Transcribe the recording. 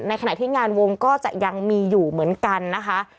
ขณะที่งานวงก็จะยังมีอยู่เหมือนกันนะคะ